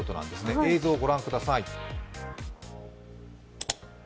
映像ご覧ください。